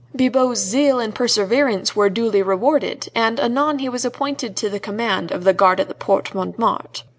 Bibot's zeal and perseverance were duly rewarded, and anon he was appointed to the command of the guard at the Porte Montmartre.